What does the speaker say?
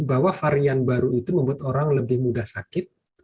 bahwa varian baru itu membuat orang lebih mudah sakit